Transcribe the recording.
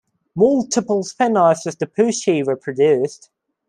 Multiple spin-offs of the Poo-Chi were produced.